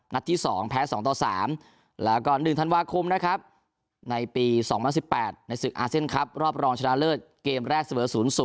ที่๒แพ้๒ต่อ๓แล้วก็๑ธันวาคมนะครับในปี๒๐๑๘ในศึกอาเซียนครับรอบรองชนะเลิศเกมแรกเสมอ๐๐